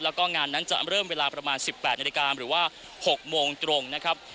แล้วก็งานนั้นจะเริ่มเวลาประมาณ๑๘นาฬิกาหรือว่า๖โมงตรงนะครับ